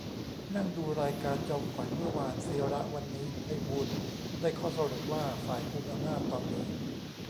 นั่งดูรายการจอมขวัญ เมื่อวาน สิระ วันนี้ ไพบูลย์ ได้ข้อสรุปว่า ฝ่ายกุมอำนาจตอนนี้